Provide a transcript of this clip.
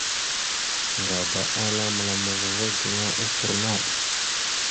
Ŋgaba ala məla ava gaŋa offor naɗ.